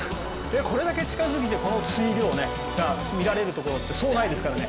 これだけ近づけてこの水量が見られるところってそうないですからね。